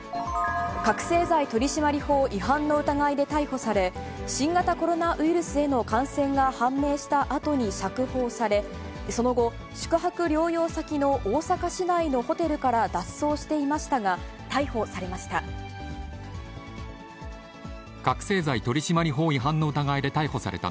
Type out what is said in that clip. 覚醒剤取締法違反の疑いで逮捕され、新型コロナウイルスへの感染が判明したあとに釈放され、その後、宿泊療養先の大阪市内のホテルから脱走していましたが、逮捕されました。